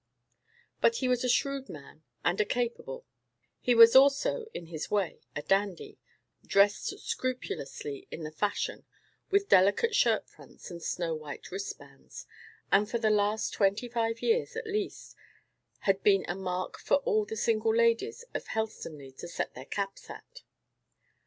But he was a shrewd man and a capable; he was also, in his way, a dandy; dressed scrupulously in the fashion, with delicate shirt fronts and snow white wristbands; and for the last twenty five years, at least, had been a mark for all the single ladies of Helstonleigh to set their caps at.